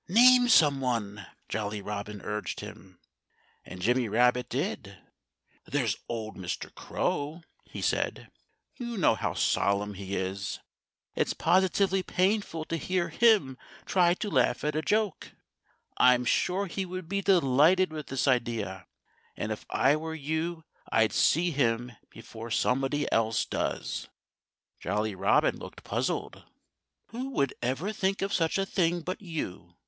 "Name someone!" Jolly Robin urged him. And Jimmy Rabbit did. "There's old Mr. Crow!" he said. "You know how solemn he is. It's positively painful to hear him try to laugh at a joke. I'm sure he would be delighted with this idea. And if I were you I'd see him before somebody else does." Jolly Robin looked puzzled. "Who would ever think of such a thing but you?"